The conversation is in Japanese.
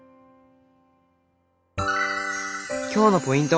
今日のポイント！